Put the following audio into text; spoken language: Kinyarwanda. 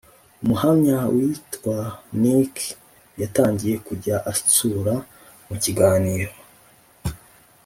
Umuhamya witwa Nick yatangiye kujya ansura Mu kiganiro